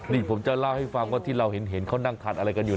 นี่ผมจะเล่าให้ฟังว่าที่เราเห็นเขานั่งทานอะไรกันอยู่